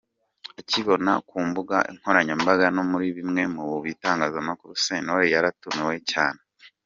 Akibibona ku mbuga nkoranyambaga no muri bimwe mu bitangazamakuru, Sentore yaratunguwe cyane.